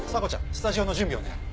スタジオの準備お願い。